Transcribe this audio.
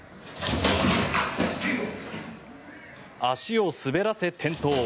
足を滑らせ、転倒。